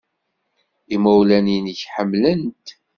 Imawlan-nnek ḥemmlen-t.